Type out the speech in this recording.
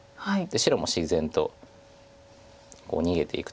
白も自然とこう逃げていくと。